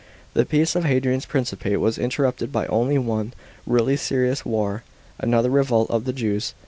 f § 19. The peace of Hadrian's principate was interrupted by only one really serious war, another revolt of the Jews.